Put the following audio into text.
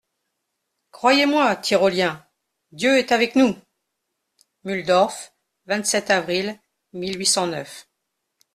Croyez-moi, Tyroliens, Dieu est avec nous ! Mulhdorf, vingt-sept avril mille huit cent neuf.